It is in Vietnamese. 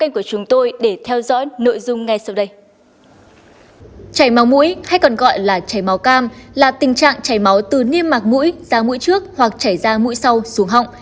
chảy máu mũi hay còn gọi là chảy máu cam là tình trạng chảy máu từ niêm mạc mũi ra mũi trước hoặc chảy ra mũi sau xuống họng